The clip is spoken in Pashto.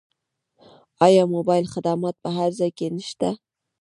آیا موبایل خدمات په هر ځای کې نشته؟